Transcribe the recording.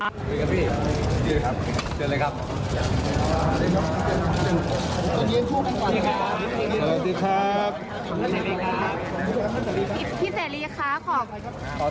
สวัสดีครับพี่สวัสดีครับ